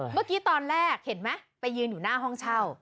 เมื่อกี้ตอนแรกเห็นไหมไปยืนอยู่หน้าห้องเช่า